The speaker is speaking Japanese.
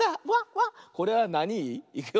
これはなに「い」？